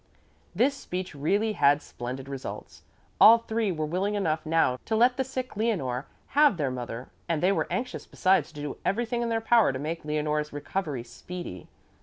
This speech really had splendid results. All three were willing enough now to let the sick Leonore have their mother, and they were anxious besides to do everything in their power to make Leonore's recovery speedy.